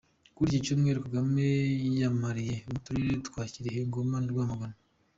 Kuri iki Cyumweru Kagame yiyamamarije mu turere twa Kirehe, Ngoma na Rwamagana.